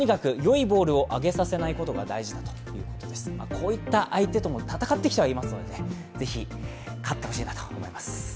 こういった相手とも戦ってはきていますので是非、勝ってほしいなと思います。